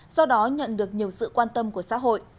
do đó nhận được nhiều sự quan tâm của xã hội